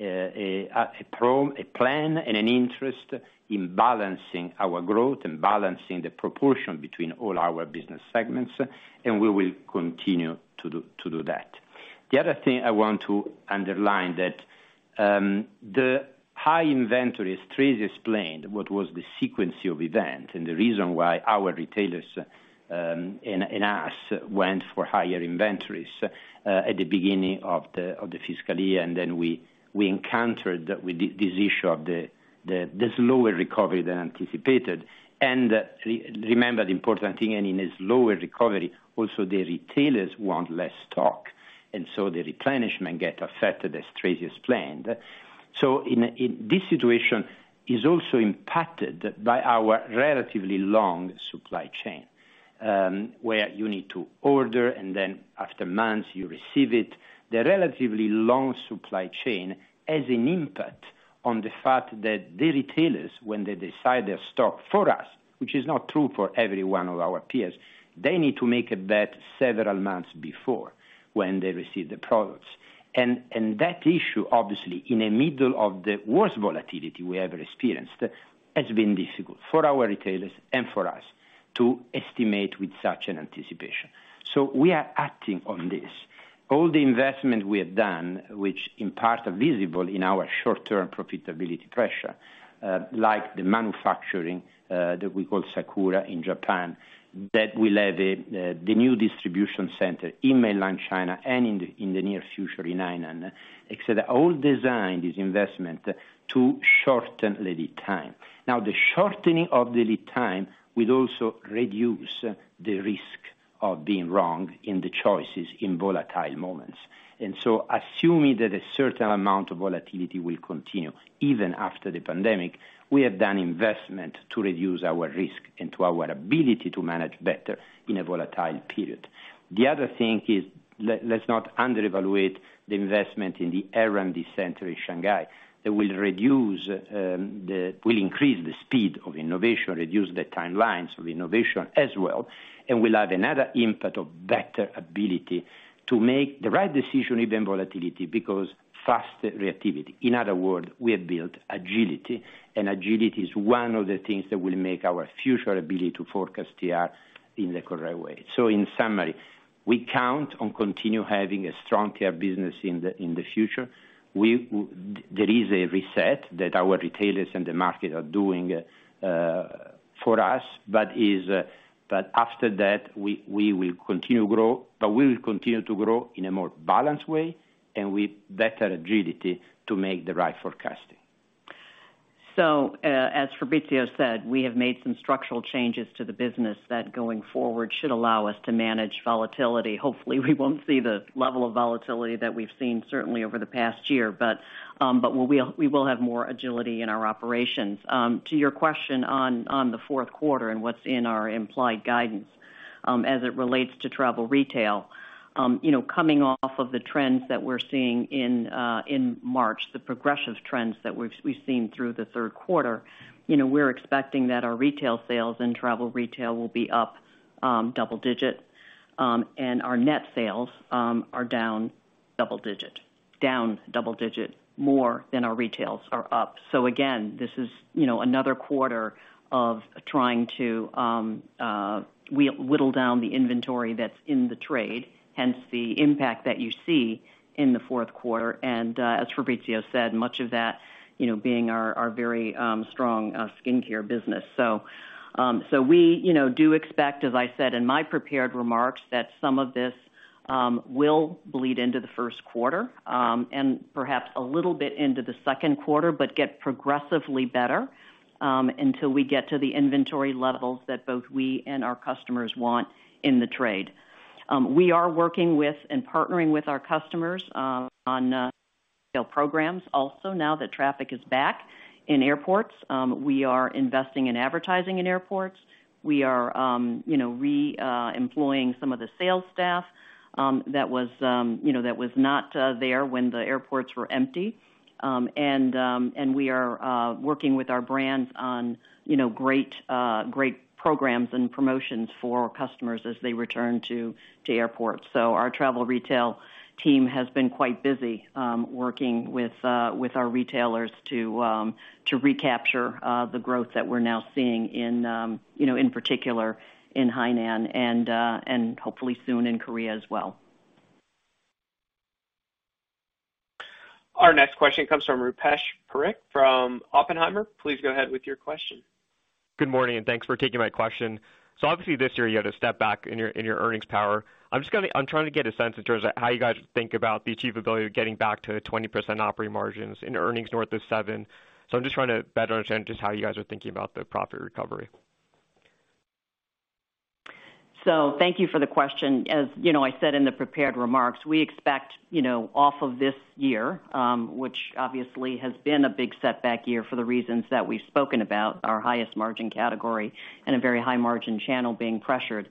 have a plan and an interest in balancing our growth and balancing the proportion between all our business segments, and we will continue to do that. The other thing I want to underline that, the high inventory, as Tracey explained, what was the sequence of event and the reason why our retailers, and us went for higher inventories, at the beginning of the fiscal year, and then we encountered with this issue of the slower recovery than anticipated. Remember the important thing, in this lower recovery, also the retailers want less stock, and so the replenishment get affected, as Tracey explained. In this situation is also impacted by our relatively long supply chain, where you need to order and then after months you receive it. The relatively long supply chain has an impact on the fact that the retailers, when they decide their stock for us, which is not true for every one of our peers, they need to make that several months before when they receive the products. That issue, obviously, in the middle of the worst volatility we have experienced, has been difficult for our retailers and for us to estimate with such an anticipation. We are acting on this. All the investment we have done, which in part are visible in our short-term profitability pressure, like the manufacturing that we call Sakura in Japan, that will have the new distribution center in mainland China and in the near future in Hainan, et cetera. All designed this investment to shorten lead time. The shortening of the lead time will also reduce the risk of being wrong in the choices in volatile moments. Assuming that a certain amount of volatility will continue even after the pandemic, we have done investment to reduce our risk and to our ability to manage better in a volatile period. The other thing is, let's not under-evaluate the investment in the R&D center in Shanghai that will increase the speed of innovation, reduce the timelines of innovation as well, and will add another input of better ability to make the right decision in volatility because fast reactivity. In other words, we have built agility, and agility is one of the things that will make our future ability to forecast TR in the correct way. In summary, we count on continue having a strong TR business in the future. There is a reset that our retailers and the market are doing for us, but is, but after that, we will continue grow. We will continue to grow in a more balanced way and with better agility to make the right forecasting. As Fabrizio said, we have made some structural changes to the business that going forward should allow us to manage volatility. Hopefully, we won't see the level of volatility that we've seen certainly over the past year, but we will have more agility in our operations. To your question on the fourth quarter and what's in our implied guidance, as it relates to travel retail, you know, coming off of the trends that we're seeing in March, the progressive trends that we've seen through the third quarter, you know, we're expecting that our retail sales and travel retail will be up double digit, and our net sales are down double digit. Down double digit more than our retails are up. Again, this is, you know, another quarter of trying to whittle down the inventory that's in the trade, hence the impact that you see in the fourth quarter. As Fabrizio said, much of that, you know, being our very strong skincare business. We, you know, do expect, as I said in my prepared remarks, that some of this will bleed into the first quarter and perhaps a little bit into the second quarter, but get progressively better until we get to the inventory levels that both we and our customers want in the trade. We are working with and partnering with our customers on sale programs also now that traffic is back in airports. We are investing in advertising in airports. We are re-employing some of the sales staff that was not there when the airports were empty. We are working with our brands on great programs and promotions for our customers as they return to airports. Our travel retail team has been quite busy working with our retailers to recapture the growth that we're now seeing in particular in Hainan, and hopefully soon in Korea as well. Our next question comes from Rupesh Parikh from Oppenheimer. Please go ahead with your question. Good morning. Thanks for taking my question. Obviously this year you had a step back in your earnings power. I'm trying to get a sense in terms of how you guys think about the achievability of getting back to 20% operating margins and earnings north of $7. I'm just trying to better understand just how you guys are thinking about the profit recovery. Thank you for the question. As I said in the prepared remarks, we expect off of this year, which obviously has been a big setback year for the reasons that we've spoken about, our highest margin category and a very high margin channel being pressured.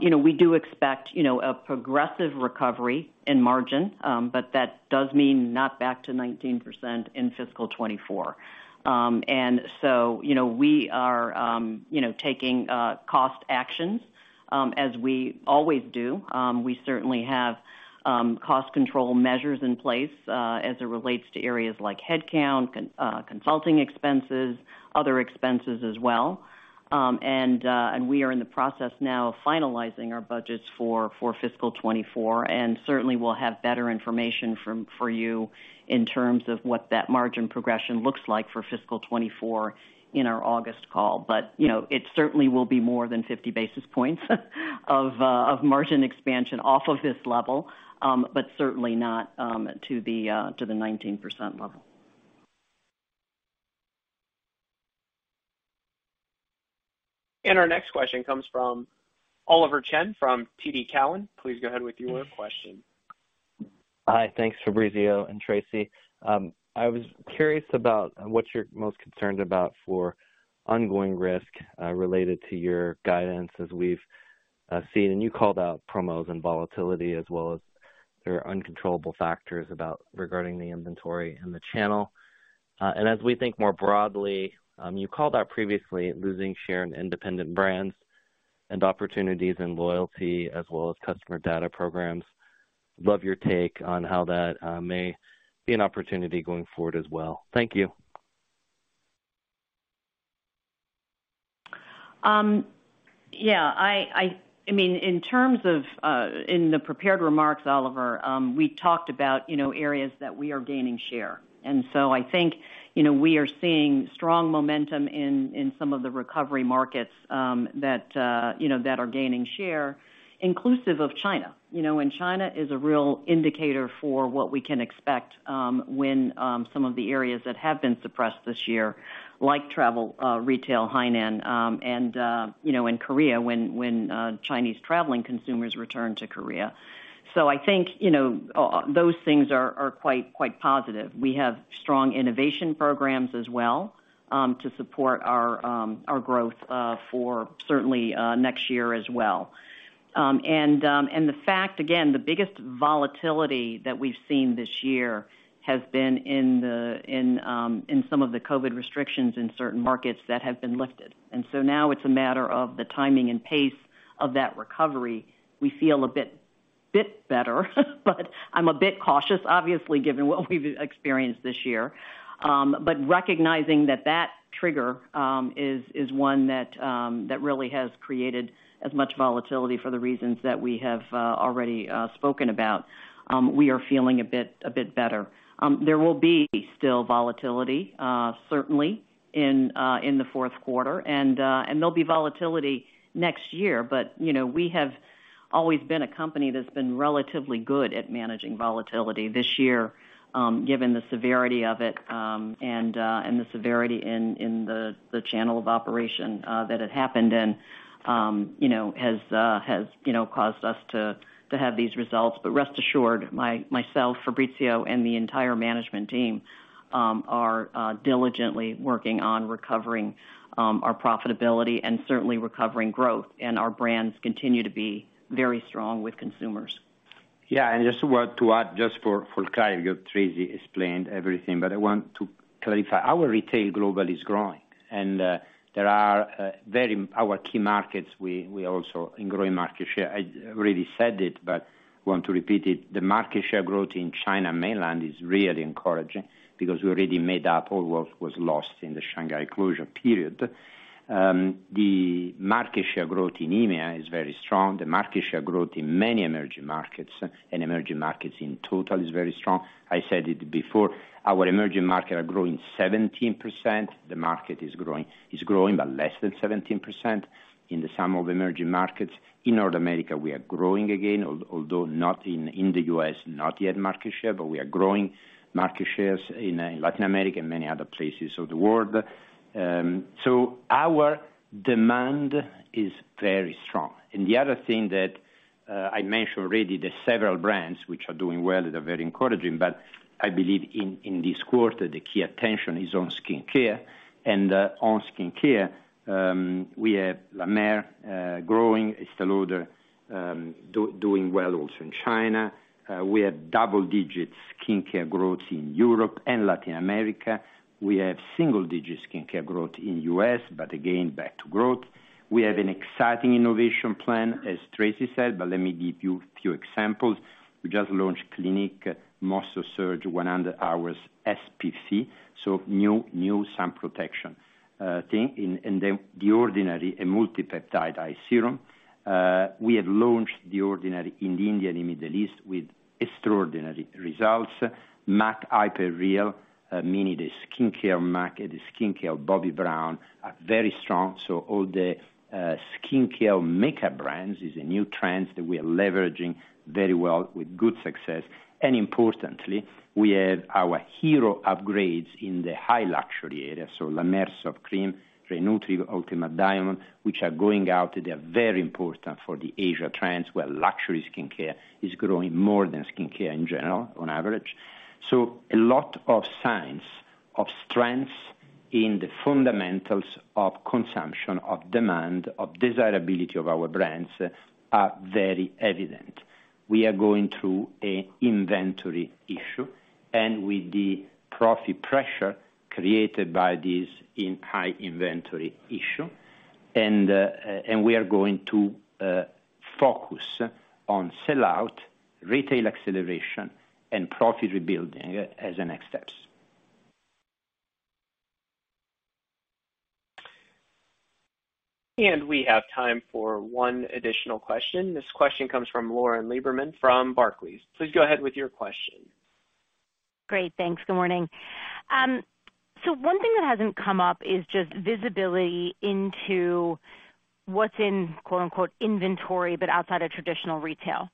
We do expect a progressive recovery in margin, that does mean not back to 19% in fiscal 2024. We are taking cost actions as we always do. We certainly have cost control measures in place as it relates to areas like headcount, consulting expenses, other expenses as well. We are in the process now of finalizing our budgets for fiscal 2024, and certainly we'll have better information for you in terms of what that margin progression looks like for fiscal 2024 in our August call. You know, it certainly will be more than 50 basis points of margin expansion off of this level, but certainly not to the 19% level. Our next question comes from Oliver Chen from TD Cowen. Please go ahead with your question. Hi. Thanks, Fabrizio and Tracey. I was curious about what you're most concerned about for ongoing risk, related to your guidance as we've seen, and you called out promos and volatility as well as there are uncontrollable factors about regarding the inventory and the channel. As we think more broadly, you called out previously losing share in independent brands and opportunities in loyalty as well as customer data programs. Love your take on how that may be an opportunity going forward as well. Thank you. Yeah. I mean, in terms of, in the prepared remarks, Oliver, we talked about, you know, areas that we are gaining share. I think, you know, we are seeing strong momentum in some of the recovery markets, that, you know, that are gaining share, inclusive of China. You know, China is a real indicator for what we can expect, when some of the areas that have been suppressed this year, like travel, retail, Hainan, and, you know, Korea, when Chinese traveling consumers return to Korea. I think, you know, those things are quite positive. We have strong innovation programs as well, to support our growth for certainly next year as well. The fact, again, the biggest volatility that we've seen this year has been in some of the COVID restrictions in certain markets that have been lifted. Now it's a matter of the timing and pace of that recovery. We feel a bit better, but I'm a bit cautious, obviously, given what we've experienced this year. Recognizing that that trigger is one that really has created as much volatility for the reasons that we have already spoken about, we are feeling a bit better. There will be still volatility certainly in the fourth quarter, and there'll be volatility next year. You know, we have always been a company that's been relatively good at managing volatility. This year, given the severity of it, and the severity in the channel of operation that it happened in, you know, has, you know, caused us to have these results. Rest assured, myself, Fabrizio, and the entire management team are diligently working on recovering our profitability and certainly recovering growth. Our brands continue to be very strong with consumers. Yeah, just a word to add just for clarity, Tracey explained everything, but I want to clarify. Our retail global is growing and there are our key markets, we also in growing market share. I already said it, but want to repeat it. The market share growth in China mainland is really encouraging because we already made up all what was lost in the Shanghai closure period. The market share growth in EMEIA is very strong. The market share growth in many emerging markets and emerging markets in total is very strong. I said it before, our emerging market are growing 17%. The market is growing, but less than 17% in the sum of emerging markets. In North America, we are growing again, although not in the U.S., not yet market share, but we are growing market shares in Latin America and many other places of the world. Our demand is very strong. The other thing that I mentioned already, the several brands which are doing well, they're very encouraging, but I believe in this quarter, the key attention is on skincare and on skincare, we have La Mer growing, Estée Lauder doing well also in China. We have double digits skincare growth in Europe and Latin America. We have single digits skincare growth in the U.S., again, back to growth. We have an exciting innovation plan, as Tracey said, let me give you few examples. We just launched Clinique Moisture Surge 100 hours SPF, new sun protection thing. Then The Ordinary, a Multi-Peptide Eye Serum. We have launched The Ordinary in India and Middle East with extraordinary results. M·A·C Hyper Real, meaning the skincare M·A·C, the skincare Bobbi Brown are very strong. All the skincare makeup brands is a new trend that we are leveraging very well with good success. Importantly, we have our hero upgrades in the high luxury area. La Mer Soft Cream, Re-Nutriv Ultimate Diamond, which are going out. They're very important for the Asia trends, where luxury skincare is growing more than skincare in general on average. A lot of signs of strengths in the fundamentals of consumption, of demand, of desirability of our brands are very evident. We are going through a inventory issue and with the profit pressure created by this in high inventory issue. We are going to focus on sell-out, retail acceleration and profit rebuilding as the next steps. We have time for one additional question. This question comes from Lauren Lieberman from Barclays. Please go ahead with your question. Great. Thanks. Good morning. One thing that hasn't come up is just visibility into what's in, quote-unquote, inventory, but outside of traditional retail.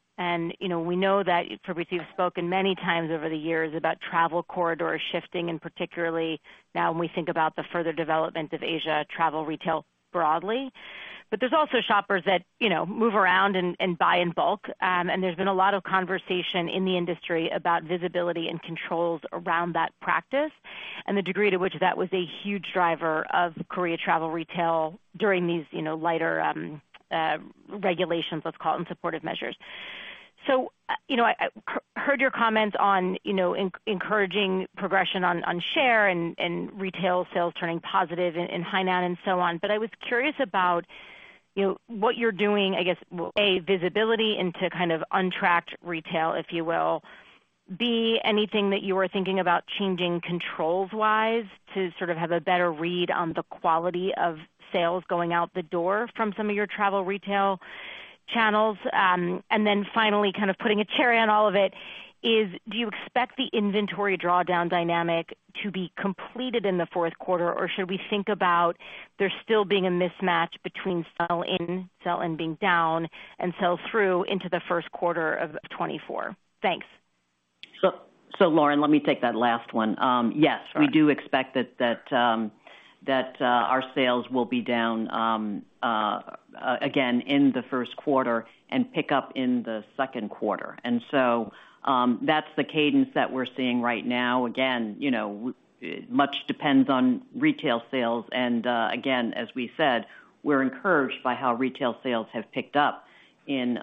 You know, we know that Fabrizio has spoken many times over the years about travel corridors shifting, and particularly now when we think about the further development of Asia travel retail broadly. There's also shoppers that, you know, move around and buy in bulk. There's been a lot of conversation in the industry about visibility and controls around that practice and the degree to which that was a huge driver of Korea travel retail during these, you know, lighter regulations, let's call it, and supportive measures. You know, I heard your comments on, you know, encouraging progression on share and retail sales turning positive in Hainan and so on. I was curious about, you know, what you're doing, I guess, A, visibility into kind of untracked retail, if you will. B, anything that you are thinking about changing controls-wise to sort of have a better read on the quality of sales going out the door from some of your travel retail channels. Finally, kind of putting a cherry on all of it is, do you expect the inventory drawdown dynamic to be completed in the fourth quarter? Or should we think about there still being a mismatch between sell in, sell in being down and sell through into the first quarter of 2024? Thanks. Lauren, let me take that last one. Yes, we do expect that our sales will be down again in the first quarter and pick up in the second quarter. That's the cadence that we're seeing right now. Again, you know, much depends on retail sales and again, as we said, we're encouraged by how retail sales have picked up in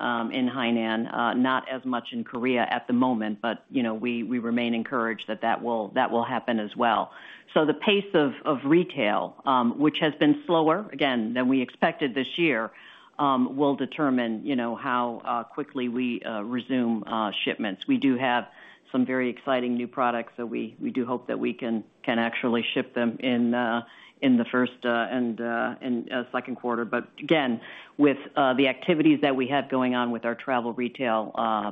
Hainan, not as much in Korea at the moment, but, you know, we remain encouraged that that will happen as well. The pace of retail, which has been slower, again, than we expected this year, will determine, you know, how quickly we resume shipments. We do have some very exciting new products that we do hope that we can actually ship them in the first and second quarter. Again, with the activities that we have going on with our travel retail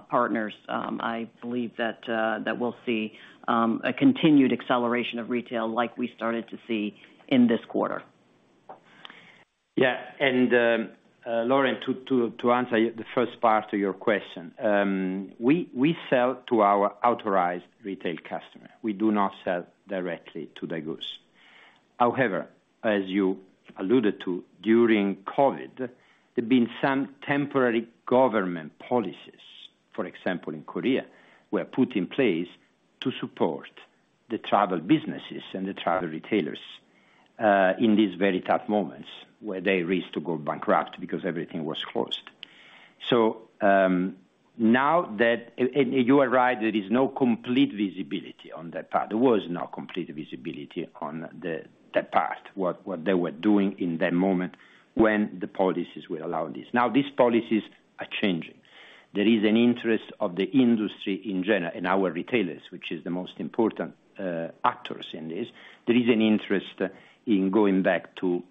partners, I believe that we'll see a continued acceleration of retail like we started to see in this quarter. Yeah. Lauren, to answer the first part of your question, we sell to our authorized retail customer. We do not sell directly to the daigou. However, as you alluded to during COVID-19, there have been some temporary government policies, for example, in Korea, were put in place to support the travel businesses and the travel retailers. In these very tough moments where they risked to go bankrupt because everything was closed. You are right, there is no complete visibility on that part. There was no complete visibility on the part, what they were doing in that moment when the policies will allow this. Now these policies are changing. There is an interest of the industry in general, and our retailers, which is the most important actors in this. There is an interest in going back to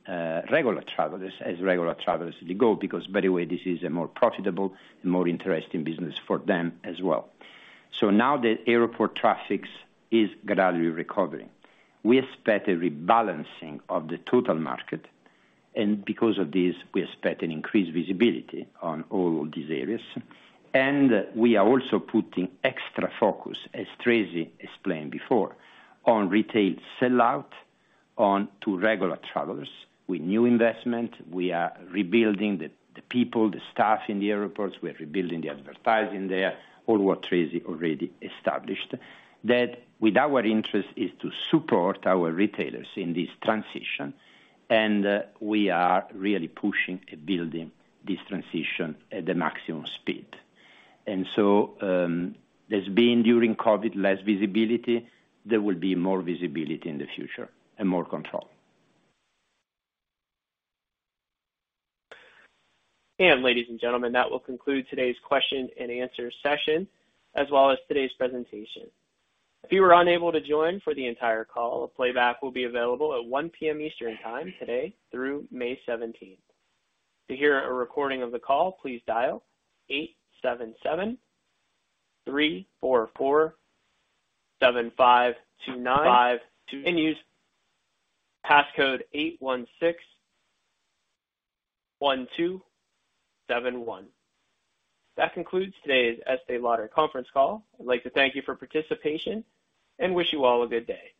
regular travelers as regular travelers go, because by the way, this is a more profitable and more interesting business for them as well. Now the airport traffics is gradually recovering. We expect a rebalancing of the total market, because of this, we expect an increased visibility on all these areas. We are also putting extra focus, as Tracey explained before, on retail sellout onto regular travelers. With new investment, we are rebuilding the people, the staff in the airports. We are rebuilding the advertising there, all what Tracey already established, that with our interest is to support our retailers in this transition, we are really pushing and building this transition at the maximum speed. There's been, during COVID, less visibility. There will be more visibility in the future and more control. Ladies and gentlemen, that will conclude today's question-and-answer session, as well as today's presentation. If you were unable to join for the entire call, a playback will be available at 1:00 P.M. Eastern Time today through May 17th. To hear a recording of the call, please dial 877-344-7529-52. Passcode 8161271. That concludes today's Estée Lauder conference call. I'd like to thank you for participation and wish you all a good day.